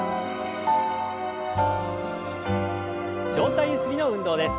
上体ゆすりの運動です。